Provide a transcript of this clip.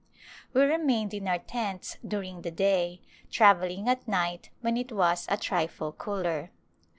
We re mained in our tents during the day, travelling at night when it was a trifle cooler.